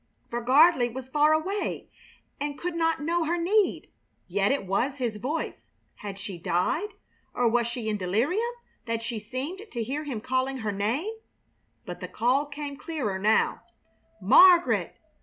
For Gardley was far away and could not know her need. Yet it was his voice. Had she died, or was she in delirium that she seemed to hear him calling her name? But the call came clearer now: "Margaret!